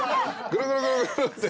グルグルグルって。